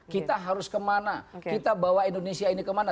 kita harus kemana kita bawa indonesia ini kemana